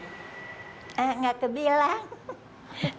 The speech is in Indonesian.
dan mereka ikutnya kalau panggilan